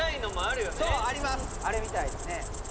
あれ見たいですね